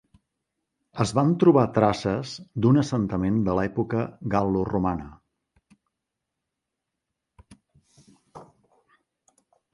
Es van trobar traces d'un assentament de l'època gal·loromana.